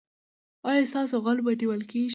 ایا ستاسو غل به نیول کیږي؟